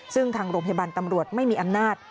ซึ่งทางโรงพยาบาลตำรวจไม่มีอำนาจ